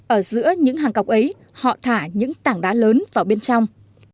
ở giữa những hàng cọc ấy họ thả những tảng đá lớn vào bên trong